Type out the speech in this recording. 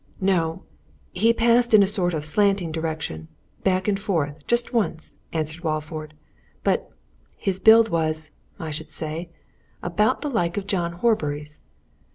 "No! he passed in a sort of slanting direction back and forward just once," answered Walford. "But his build was, I should say, about the like of John Horbury's.